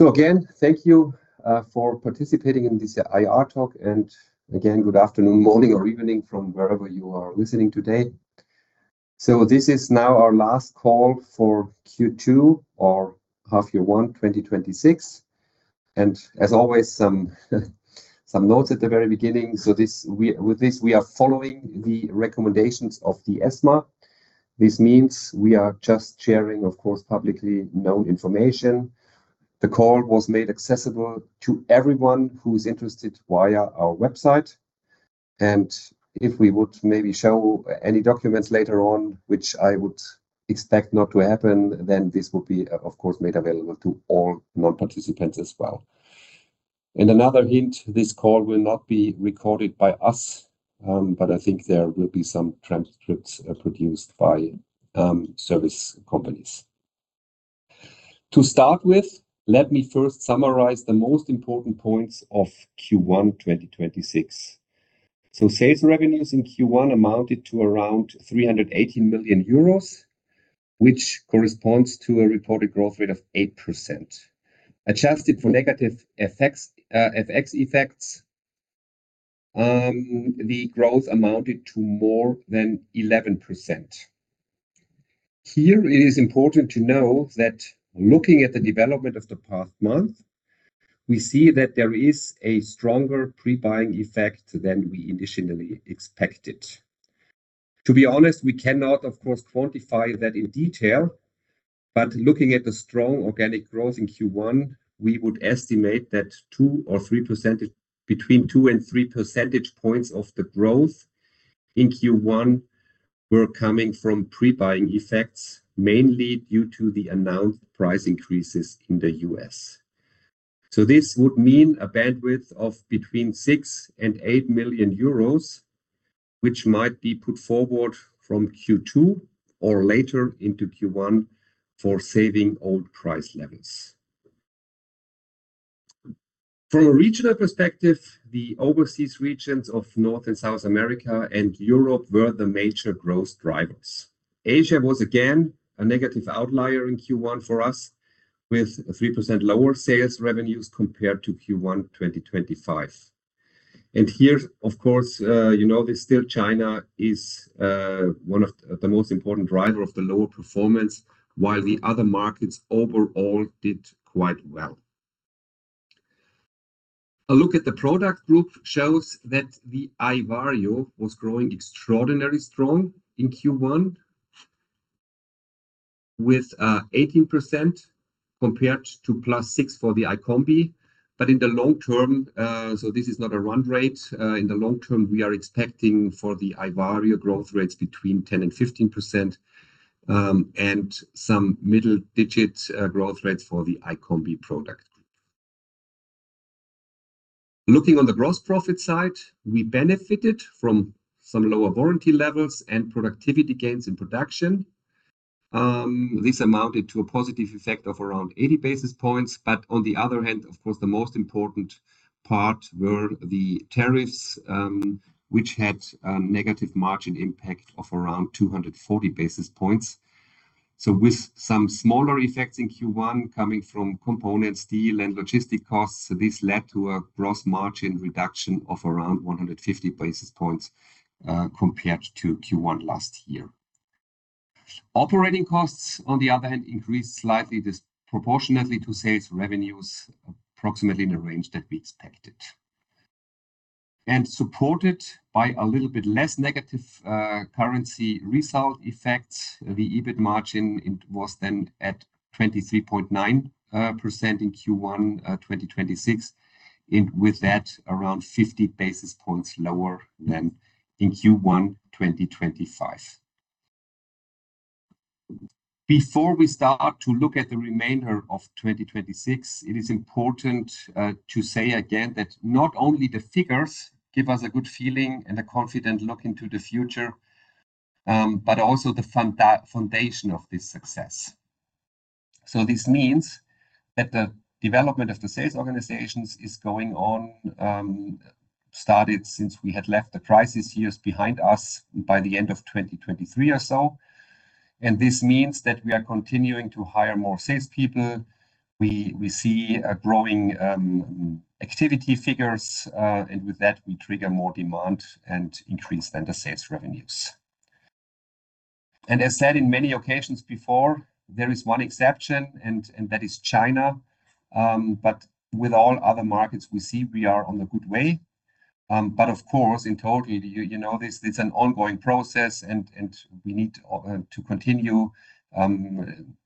Again, thank you for participating in this IR talk, again, good afternoon, morning, or evening from wherever you are listening today. This is now our last call for Q2 or half year one 2026. As always, some notes at the very beginning. With this, we are following the recommendations of the ESMA. This means we are just sharing, of course, publicly known information. The call was made accessible to everyone who is interested via our website. If we would maybe show any documents later on, which I would expect not to happen, then this will be, of course, made available to all non-participants as well. Another hint, this call will not be recorded by us, but I think there will be some transcripts produced by service companies. To start with, let me first summarize the most important points of Q1 2026. Sales revenues in Q1 amounted to around 318 million euros, which corresponds to a reported growth rate of 8%. Adjusted for negative FX effects, the growth amounted to more than 11%. Here, it is important to know that looking at the development of the past month, we see that there is a stronger pre-buying effect than we initially expected. To be honest, we cannot, of course, quantify that in detail, but looking at the strong organic growth in Q1, we would estimate that between 2% and 3% percentage points of the growth in Q1 were coming from pre-buying effects, mainly due to the announced price increases in the U.S. This would mean a bandwidth of between 6 million and 8 million euros, which might be put forward from Q2 or later into Q1 for saving old price levels. From a regional perspective, the overseas regions of North and South America and Europe were the major growth drivers. Asia was again a negative outlier in Q1 for us with 3% lower sales revenues compared to Q1 2025. Here, of course, you know this, still China is one of the most important driver of the lower performance, while the other markets overall did quite well. A look at the product group shows that the iVario was growing extraordinarily strong in Q1 with 18% compared to +6% for the iCombi. In the long term, this is not a run rate. In the long term, we are expecting for the iVario growth rates between 10% and 15%, and some middle digit growth rates for the iCombi product group. Looking on the gross profit side, we benefited from some lower warranty levels and productivity gains in production. This amounted to a positive effect of around 80 basis points. On the other hand, of course, the most important part were the tariffs, which had a negative margin impact of around 240 basis points. With some smaller effects in Q1 coming from components, steel, and logistic costs, this led to a gross margin reduction of around 150 basis points, compared to Q1 last year. Operating costs, on the other hand, increased slightly disproportionately to sales revenues, approximately in the range that we expected. Supported by a little bit less negative currency result effects, the EBIT margin was then at 23.9% in Q1 2026. With that, around 50 basis points lower than in Q1 2025. Before we start to look at the remainder of 2026, it is important to say again that not only the figures give us a good feeling and a confident look into the future, but also the foundation of this success. This means that the development of the sales organizations is going on, started since we left the crisis years behind us by the end of 2023 or so. This means that we are continuing to hire more salespeople. We see a growing activity figures, and with that, we trigger more demand and increase then the sales revenues. As said in many occasions before, there is one exception, and that is China. With all other markets, we see we are on a good way. Of course, in total, you know this, it's an ongoing process and we need to continue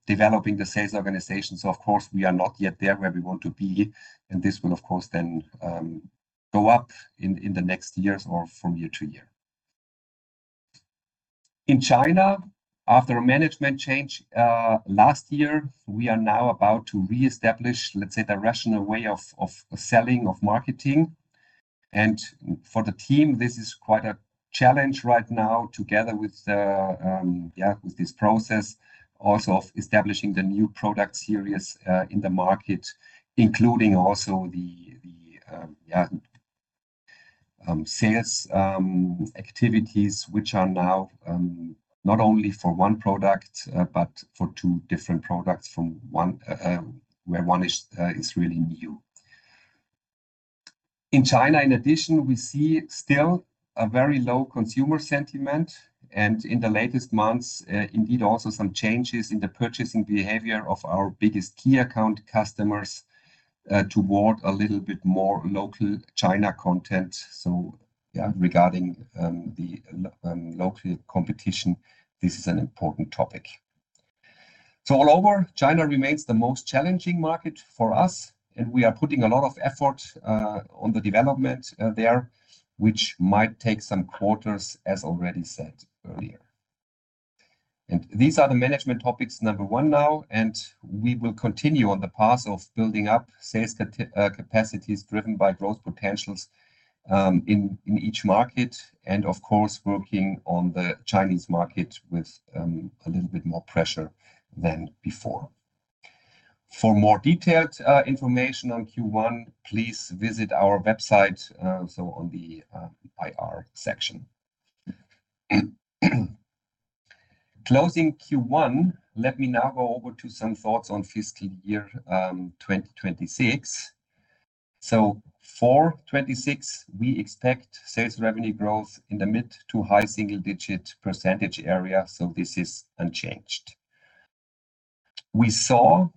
developing the sales organization. Of course, we are not yet there where we want to be, and this will of course then go up in the next years or from year to year. In China, after a management change last year, we are now about to reestablish, let's say, the RATIONAL way of selling, of marketing. For the team, this is quite a challenge right now together with this process also of establishing the new product series in the market, including also sales activities which are now not only for one product, but for two different products where one is really new. In China, in addition, we see still a very low consumer sentiment and in the latest months, indeed, also some changes in the purchasing behavior of our biggest key account customers toward a little bit more local China content. Yeah, regarding the local competition, this is an important topic. All over, China remains the most challenging market for us, and we are putting a lot of effort on the development there, which might take some quarters, as already said earlier. These are the management topics number 1 now, and we will continue on the path of building up sales capacities driven by growth potentials in each market and of course, working on the Chinese market with a little bit more pressure than before. For more detailed information on Q1, please visit our website, in the IR section. Closing Q1, let me now go over to some thoughts on fiscal year 2026. For 2026, we expect sales revenue growth in the mid to high single-digit % area. This is unchanged. We saw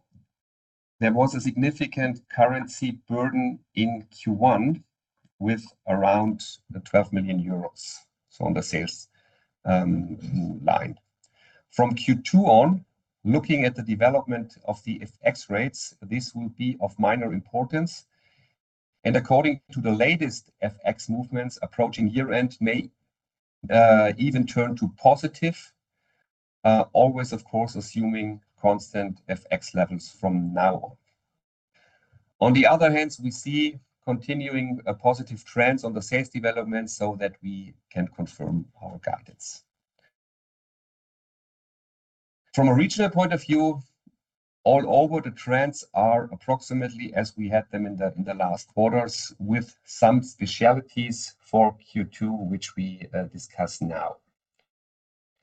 there was a significant currency burden in Q1 with around 12 million euros on the sales line. From Q2 on, looking at the development of the FX rates, this will be of minor importance, and according to the latest FX movements approaching year-end may even turn to positive. Always, of course, assuming constant FX levels from now on. On the other hand, we see continuing positive trends on the sales development so that we can confirm our guidance. From a regional point of view, overall the trends are approximately as we had them in the last quarters with some specialties for Q2, which we discuss now.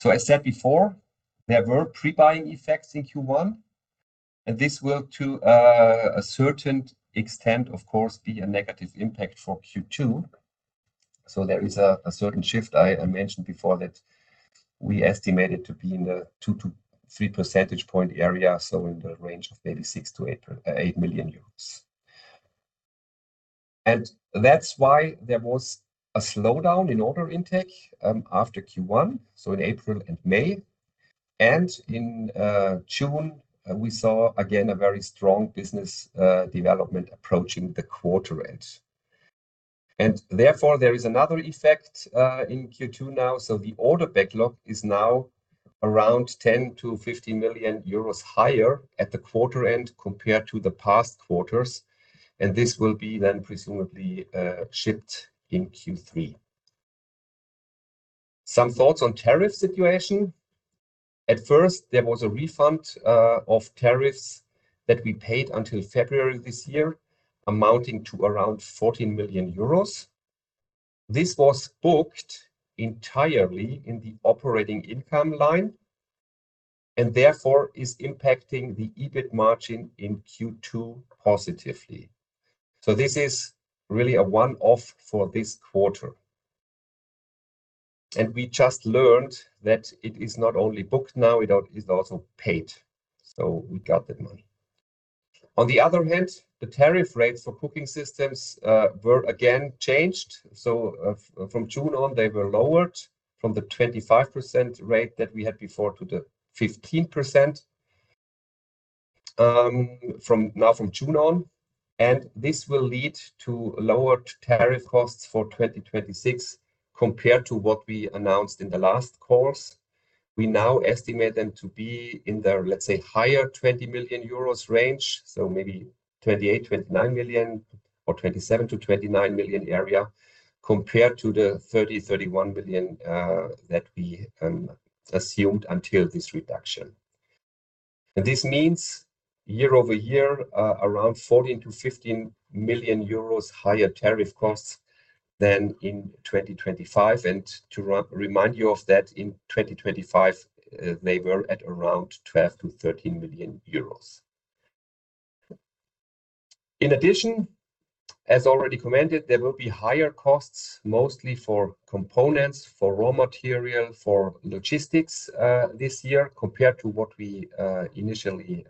I said before, there were pre-buying effects in Q1, and this will to a certain extent, of course, be a negative impact for Q2. There is a certain shift I mentioned before that we estimated to be in the 2-3 percentage point area, in the range of maybe 6 million-8 million euros. That's why there was a slowdown in order intake after Q1, in April and May. In June, we saw again a very strong business development approaching the quarter end. Therefore, there is another effect in Q2 now. The order backlog is now around 10 million-50 million euros higher at the quarter end compared to the past quarters, and this will be then presumably shipped in Q3. Some thoughts on tariff situation. At first, there was a refund of tariffs that we paid until February of this year, amounting to around 40 million euros. This was booked entirely in the operating income line and therefore impacts the EBIT margin in Q2 positively. This is really a one-off for this quarter. We just learned that it is not only booked now, it is also paid. We got that money. On the other hand, the tariff rates for cooking systems were again changed. From June on, they were lowered from the 25% rate that we had before to the 15% now from June on, and this will lead to lower tariff costs for 2026 compared to what we announced in the last calls. We now estimate them to be in there, let's say, higher 20 million euros range, maybe 28 million, 29 million or 27 million-29 million area, compared to the 30 million, 31 million that we assumed before this reduction. This means year-over-year, around 14 million-15 million euros higher tariff costs than in 2025. To remind you of that, in 2025, they were at around 12 million-13 million euros. In addition, as already commented, there will be higher costs, mostly for components, for raw materials, for logistics this year compared to what we initially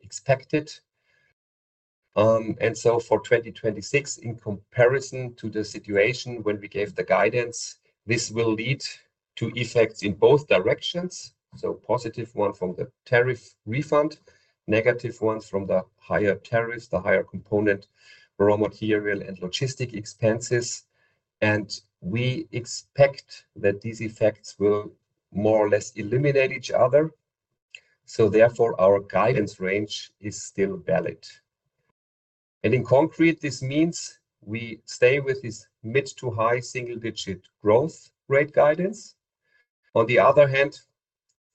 expected. For 2026, in comparison to the situation when we gave the guidance, this will lead to effects in both directions. A positive one from the tariff refund, negative ones from the higher tariffs, the higher component, raw material, and logistics expenses. We expect that these effects will more or less eliminate each other. Therefore, our guidance range is still valid. In concrete, this means we stay with this mid to high single-digit growth rate guidance. On the other hand,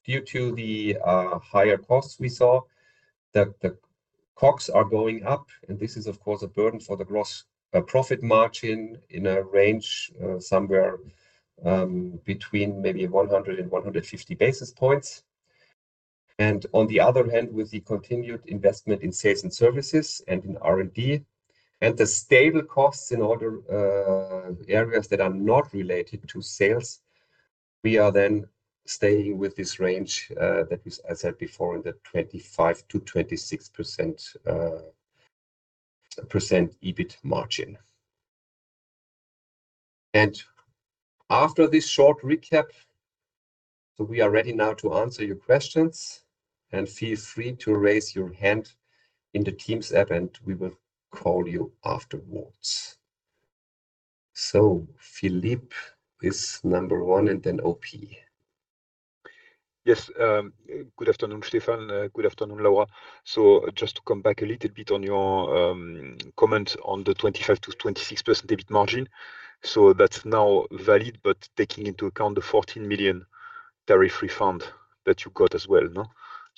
due to the higher costs we saw that the COGS is going up, and this is, of course, a burden for the gross profit margin in a range somewhere between maybe 100-150 basis points. On the other hand, with the continued investment in sales and services and in R&D and the stable costs in other areas that are not related to sales, we are then staying with this range that is, as I said before, in the 25%-26% EBIT margin. After this short recap, we are ready now to answer your questions. Feel free to raise your hand in the Teams app, and we will call you afterwards. Philippe is number one and then Ove. Yes. Good afternoon, Stefan. Good afternoon, Laura. Just to come back a little bit on your comment on the 25%-26% EBIT margin. That's now valid but taking into account the 14 million tariff refund that you got as well.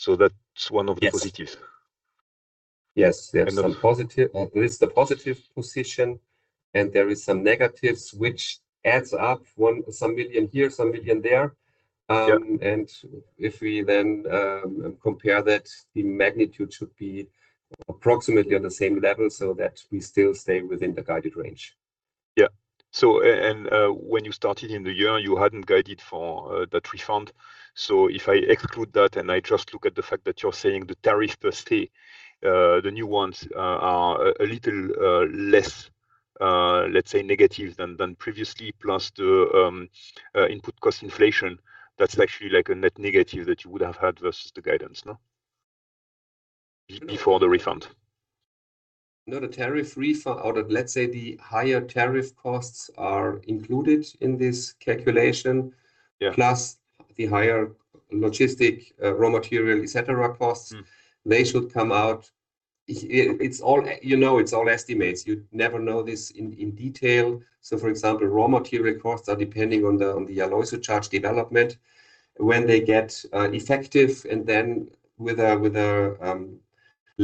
That's one of the positives. Yes. There is the positive position, and there is some negatives, which adds up, some million here, some million there. Yeah. If we then compare that, the magnitude should be approximately on the same level so that we still stay within the guided range. Yeah. When you started in the year, you hadn't guided for that refund. If I exclude that, and I just look at the fact that you're saying the tariff per se, the new ones are a little less, let's say, negative than previously, plus the input cost inflation, that's actually like a net negative that you would have had versus the guidance. Before the refund. The higher tariff costs are included in this calculation. Yeah. Plus the higher logistics raw material, et cetera, costs. They should come out. It's all estimates. You never know this in detail. For example, raw material costs are depending on the alloy surcharge development, when they get effective, and then with a lag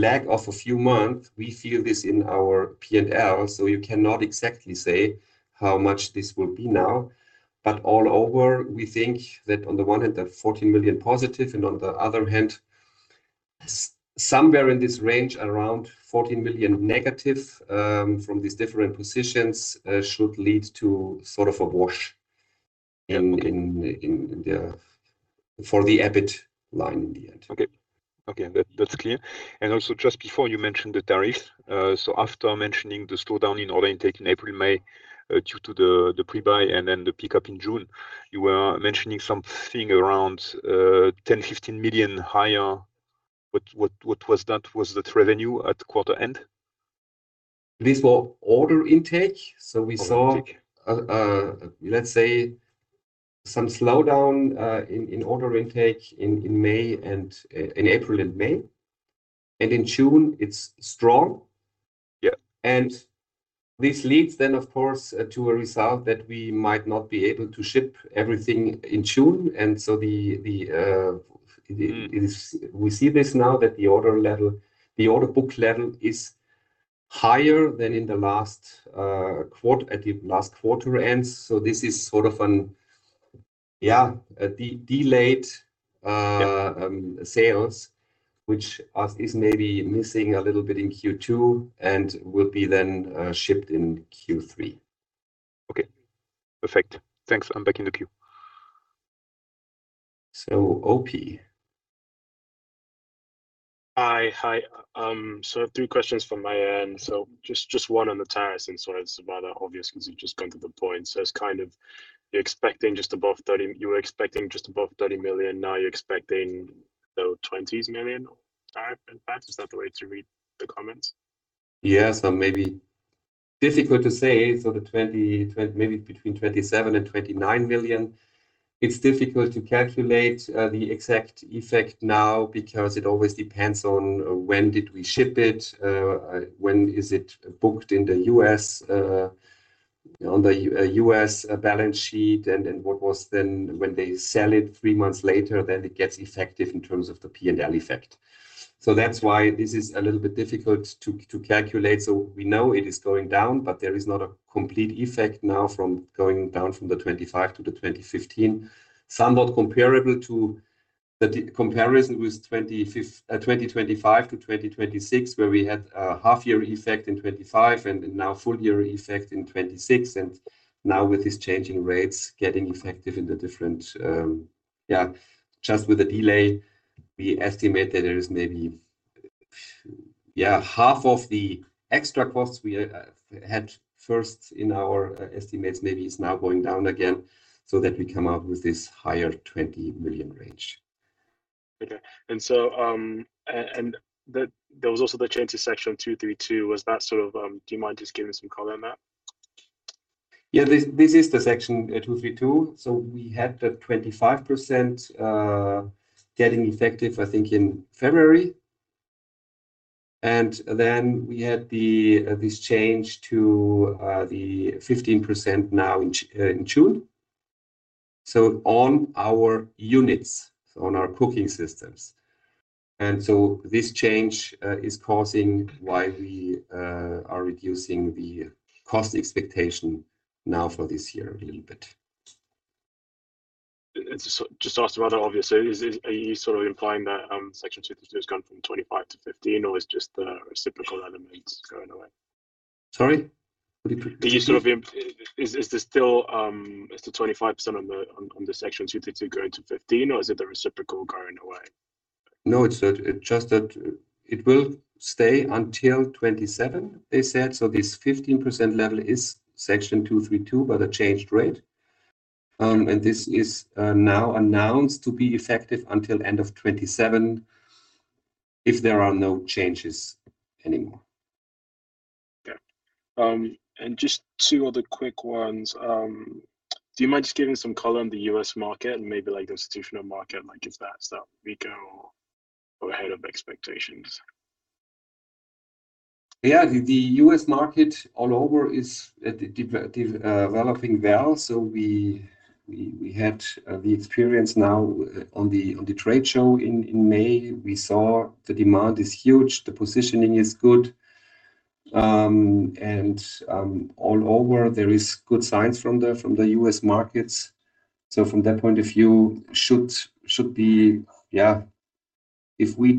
of a few months, we feel this in our P&L. You cannot exactly say how much this will be now. Overall, we think that on the one hand, the 14 million positive, and on the other hand, somewhere in this range, around 14 million negative from these different positions should lead to a wash for the EBIT line in the end. Okay. That's clear. Also, just before you mentioned the tariff, after mentioning the slowdown in order intake in April and May, due to the pre-buy and then the pickup in June, you were mentioning something around 10 million-15 million higher. What was that? Was that revenue at quarter end? This was order intake. Order intake Let's say some slowdown in order intake in April and May. In June, it's strong. Yeah. This leads then, of course, to a result that we might not be able to ship everything in June. We see this now that the order book level is higher than at the last quarter end. This is sort of an, yeah, delayed- Yeah sales, which is maybe missing a little bit in Q2 and will be then shipped in Q3. Okay. Perfect. Thanks. I'm back in the queue. Ove. Hi. Three questions from my end. Just one on the tariffs, and sorry, this is rather obvious because you've just come to the point. You were expecting just above 30 million, now you're expecting a tariff impact in the EUR 20 million range.. Is that the way to read the comments? Yeah. Maybe difficult to say. Maybe between 27 million and 29 million. It's difficult to calculate the exact effect now because it always depends on when we shipped it, when is it booked in the U.S. balance sheet, and what was then when they sell it three months later, then it gets effective in terms of the P&L effect. That's why this is a little bit difficult to calculate. We know it is going down, but there is not a complete effect now from going down from 25%-15%. Somewhat comparable to the comparison with 2025 to 2026 where we had a half-year effect in 2025 and now full-year effect in 2026, and now with these changing rates getting effective in the different. Just with the delay, we estimate that there is maybe half of the extra costs we had first in our estimates, maybe it's now going down again so that we come out with this higher 20 million range. Okay. There was also the change to Section 232. Do you mind just giving some color on that? Yeah, this is the Section 232. We had the 25% getting effective, I think, in February. Then we had this change to the 15% now in June. On our units, on our cooking systems. This change is causing why we are reducing the cost expectation now for this year a little bit. Just to ask something rather obvious, are you implying that Section 232 has gone from 25% to 15%, or it's just the reciprocal element going away? Sorry? Could you repeat? Is the 25% on the Section 232 going to 15, or is it the reciprocal going away? It's just that it will stay until 2027, they said. This 15% level is Section 232, but a changed rate. This is now announced to be effective until end of 2027, if there are no changes anymore. Just two other quick ones. Do you mind just giving some color on the U.S. market and maybe the institutional market, like is that weaker or ahead of expectations? The U.S. market all over is developing well. We had the experience now on the trade show in May. We saw the demand is huge, the positioning is good. All over, there is good signs from the U.S. markets. From that point of view, if we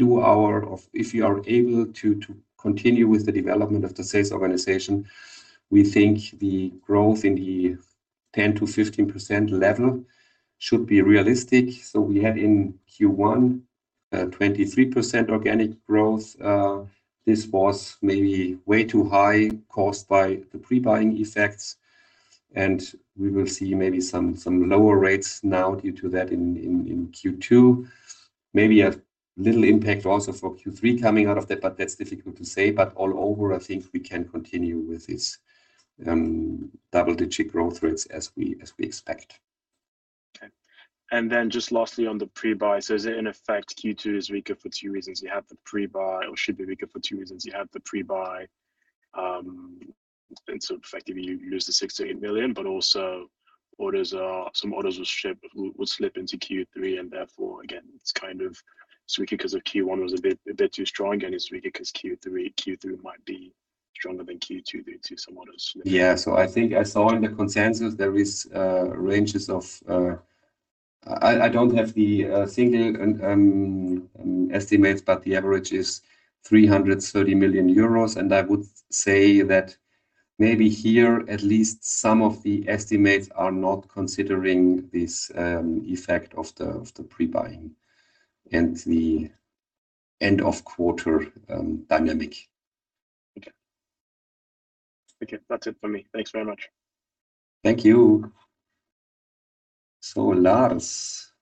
are able to continue with the development of the sales organization, we think the growth in the 10%-15% level should be realistic. We had in Q1, 23% organic growth. This was maybe way too high, caused by the pre-buying effects. We will see maybe some lower rates now due to that in Q2. Maybe a little impact also for Q3 coming out of that, but that's difficult to say. All over, I think we can continue with this double-digit growth rates as we expect. Okay. Then just lastly on the pre-buy. Is it in effect Q2 is weaker for two reasons? You have the pre-buy or should be weaker for two reasons. You have the pre-buy, effectively you lose the 6 million-8 million, also some orders will slip into Q3 and therefore, again, it's weaker because the Q1 was a bit too strong. It's weaker because Q3 might be stronger than Q2 due to some orders slipping. I think I saw in the consensus there is ranges. I don't have the single estimates, but the average is 330 million euros. I would say that maybe here, at least some of the estimates are not considering this effect of the pre-buying and the end-of-quarter dynamic. Okay. That's it from me. Thanks very much. Thank you. Lars.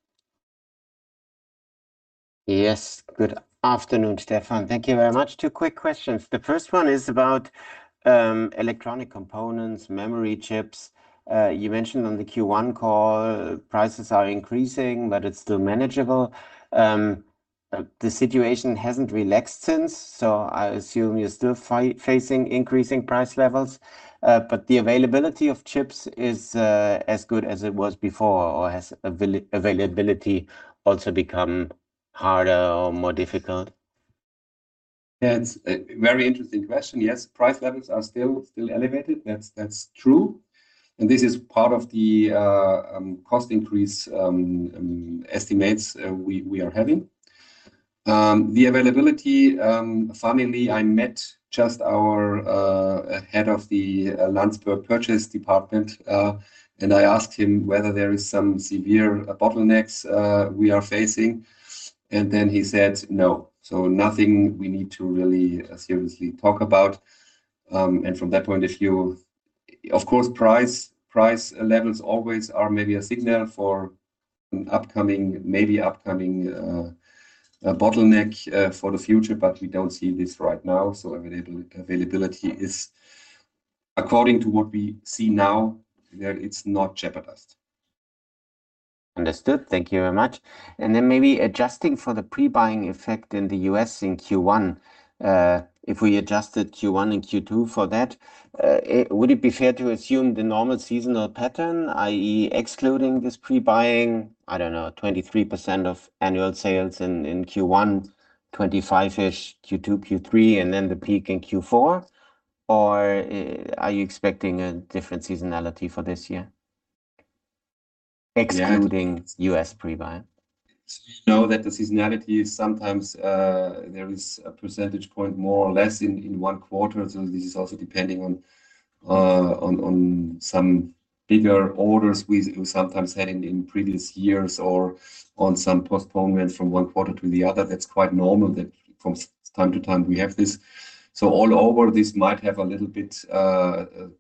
Yes. Good afternoon, Stefan. Thank you very much. Two quick questions. The first one is about electronic components, memory chips. You mentioned on the Q1 call, prices are increasing, but it's still manageable. The situation hasn't relaxed since. I assume you're still facing increasing price levels. The availability of chips is as good as it was before, or has availability also become harder or more difficult? It's a very interesting question. Yes, price levels are still elevated. That's true. This is part of the cost increase estimates we are having. The availability, funnily, I met just our head of the Landsberg purchase department. I asked him whether there is some severe bottlenecks we are facing. He said no. Nothing we need to really seriously talk about. From that point of view, of course, price levels always are maybe a signal for maybe upcoming bottleneck for the future. We don't see this right now. Availability is, according to what we see now, it's not jeopardized. Understood. Thank you very much. Maybe adjusting for the pre-buying effect in the U.S. in Q1. If we adjusted Q1 and Q2 for that, would it be fair to assume the normal seasonal pattern, i.e., excluding this pre-buying, I don't know, 23% of annual sales in Q1, 25-ish Q2, Q3, the peak in Q4? Are you expecting a different seasonality for this year? Excluding U.S. pre-buy. We know that the seasonality is sometimes there is a percentage point more or less in one quarter. This is also depending on some bigger orders we sometimes had in previous years or on some postponements from one quarter to the other. That's quite normal that from time to time we have this. All over, this might have a little bit a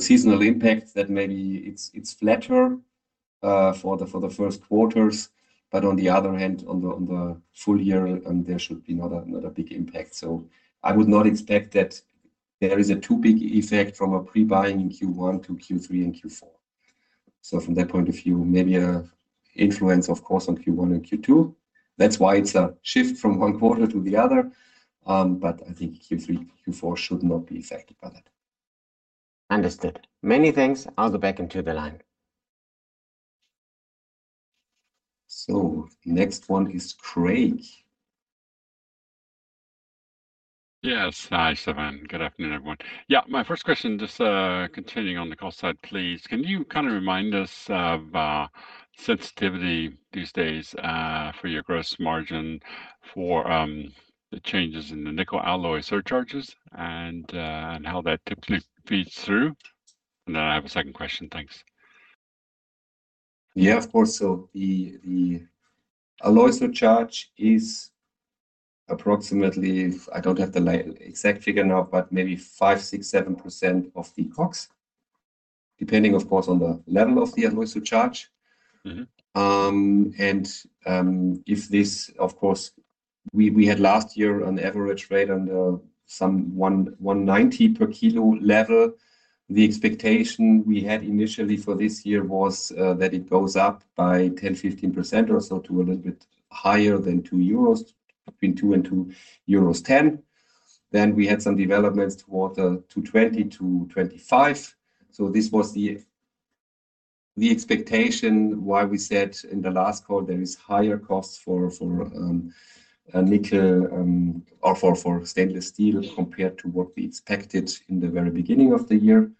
seasonal impact that maybe it's flatter for the first quarters. On the other hand, on the full year, there should be not a big impact. I would not expect that there is a too big effect from a pre-buying in Q1 to Q3 and Q4. From that point of view, maybe an influence, of course, on Q1 and Q2. That's why it's a shift from one quarter to the other. I think Q3, Q4 should not be affected by that. Understood. Many things are back into the line. Next one is Craig. Yes. Hi, Stefan. Good afternoon, everyone. My first question, just continuing on the cost side, please. Can you kind of remind us of sensitivity these days for your gross margin for the changes in the nickel alloy surcharges and how that typically feeds through? Then I have a second question. Thanks. Yeah, of course. The alloy surcharge is approximately, I don't have the exact figure now, but maybe 5%, 6%, 7% of the COGS, depending, of course, on the level of the alloy surcharge. If this, of course, we had last year an average rate under some 1.90 per kilo level. The expectation we had initially for this year was that it goes up by 10%, 15% or so to a little bit higher than 2 euros, between 2 and 2.10 euros. We had some developments toward the 2.20, 2.25. This was the expectation why we said in the last call there is higher costs for nickel or for stainless steel compared to what we expected in the very beginning of the year.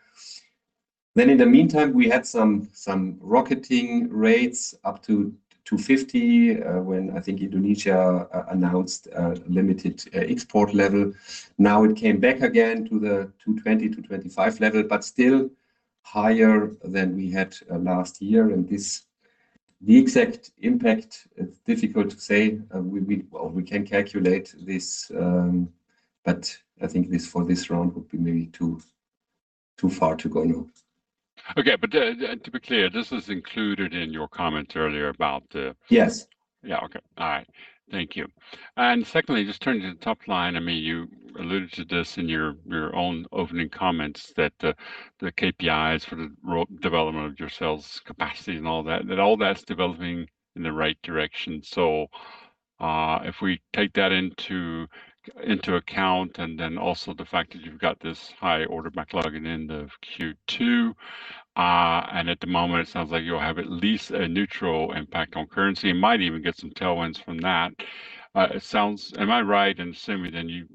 In the meantime, we had some rocketing rates up to 2.50, when I think Indonesia announced a limited export level. Now it came back again to the 2.20, 2.25 level, but still higher than we had last year. The exact impact, it's difficult to say. Well, we can calculate this, I think for this round would be maybe too far to go now. Okay. To be clear, this is included in your comment earlier about the Yes. Yeah. Okay. All right. Thank you. Secondly, just turning to the top line. You alluded to this in your own opening comments that the KPIs for the development of your sales capacity and all that all that's developing in the right direction. If we take that into account, and also the fact that you've got this high order backlog in end of Q2, and at the moment it sounds like you'll have at least a neutral impact on currency and might even get some tailwinds from that. Am I right in assuming you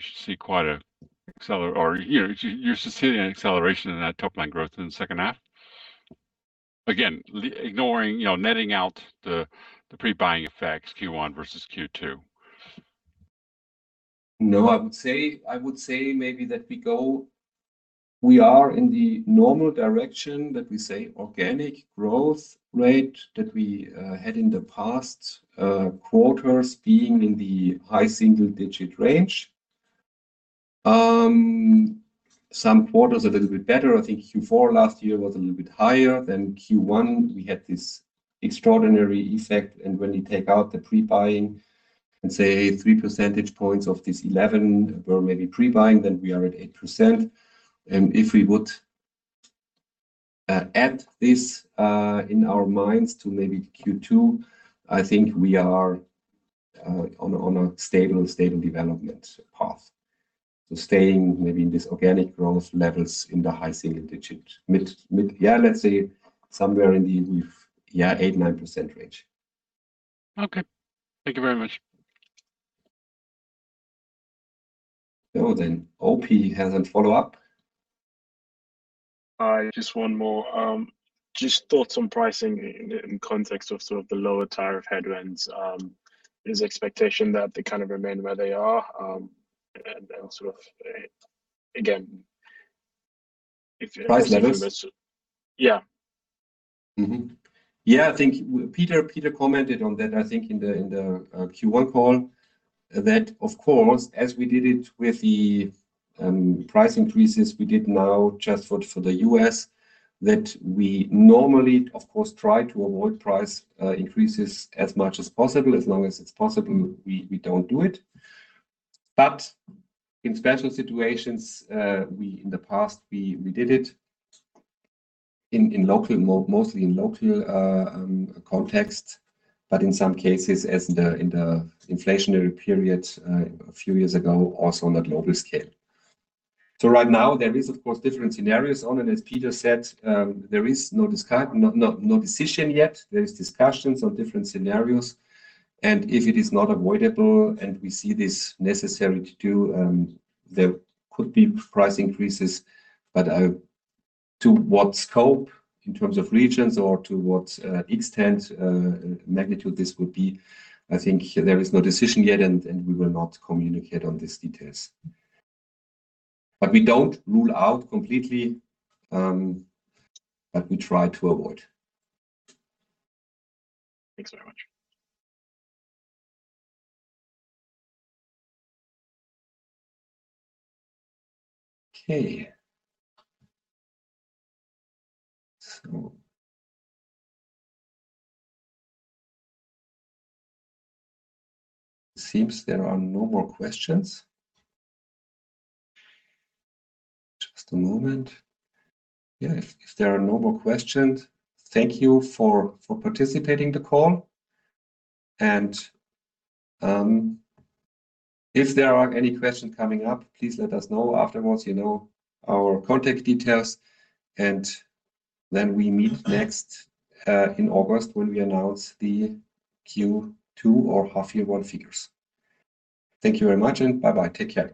should see quite an acceleration in that top line growth in the second half? Again, netting out the pre-buying effects, Q1 versus Q2. No, I would say maybe that we are in the normal direction, that we say organic growth rate that we had in the past quarters being in the high single-digit range. Some quarters a little bit better. I think Q4 last year was a little bit higher than Q1. We had this extraordinary effect, and when we take out the pre-buying and say three percentage points of this 11% were maybe pre-buying, then we are at 8%. If we would add this in our mind to maybe Q2, I think we are on a stable development path. Staying maybe in this organic growth levels in the high single digit. Let's say somewhere in the 8%, 9% range. Okay. Thank you very much. Ove has a follow-up. Hi, just one more. Just thoughts on pricing in context sort of the lower tariff headwinds. Is the expectation that they kind of remain where they are and sort of again, if- Price levels? Yeah. Mm-hmm. Yeah, I think Peter commented on that, I think in the Q1 call, that of course, as we did it with the price increases, we did now just for the U.S., that we normally, of course, try to avoid price increases as much as possible. As long as it's possible, we don't do it. In special situations, in the past, we did it mostly in local context, but in some cases, as in the inflationary period a few years ago, also on a global scale. Right now, there is, of course, different scenarios on it. As Peter said, there is no decision yet. There is discussions on different scenarios, and if it is not avoidable and we see this necessary to do, there could be price increases. To what scope in terms of regions or to what extent magnitude this would be, I think there is no decision yet, and we will not communicate on these details. We don't rule out completely, but we try to avoid. Thanks very much. Okay. It seems there are no more questions. Just a moment. If there are no more questions, thank you for participating the call. If there are any questions coming up, please let us know afterwards, you know our contact details. We meet next in August when we announce the Q2 or half year one figures. Thank you very much, and bye-bye. Take care.